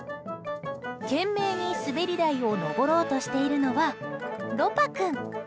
懸命に滑り台を登ろうとしているのは、ロパ君。